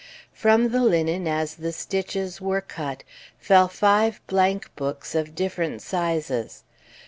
From the linen, as the stitches were cut, fell five blank books of different sizes.